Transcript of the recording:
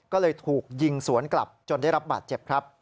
ก็เลยถูกยิงสวนกลับจนได้รับบาดเจ็บครับ